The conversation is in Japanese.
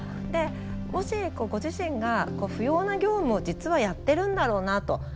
でもしご自身が不要な業務を実はやってるんだろうなと。